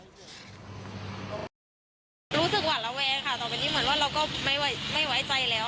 รู้สึกหวาดระแวงค่ะต่อไปนี้เหมือนว่าเราก็ไม่ไว้ใจแล้ว